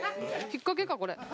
引っかけか、これ。